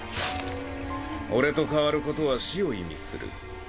俺と代わることは死を意味する。